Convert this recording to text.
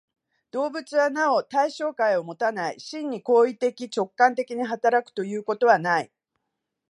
動物はなお対象界をもたない、真に行為的直観的に働くということはない。